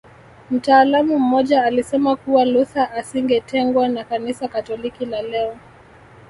Mtaalamu mmoja alisema kuwa Luther asingetengwa na Kanisa Katoliki la leo